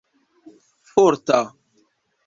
forta